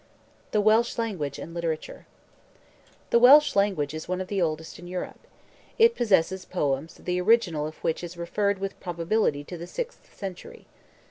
THE WELSH LANGUAGE AND LITERATURE The Welsh language is one of the oldest in Europe. It possesses poems the origin of which is referred with probability to the sixth century.